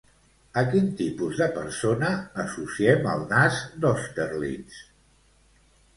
A quin tipus de persona associem el nas d'Austerlitz?